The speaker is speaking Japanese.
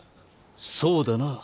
そうだな。